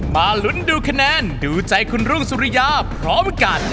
มาลุ้นดูคะแนนดูใจคุณรุ่งสุริยาพร้อมกัน